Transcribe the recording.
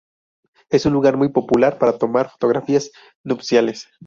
Es un lugar muy popular para tomar fotografías nupciales.